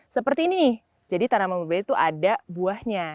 seperti ini jadi tanaman murbei itu ada buahnya